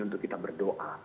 untuk kita berdoa